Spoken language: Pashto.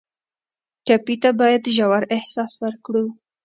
ټپي ته باید ژور احساس ورکړو.